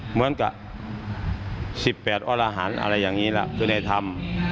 เหมือนกับ๑๘อรหารอะอย่างงี้ละในธรรม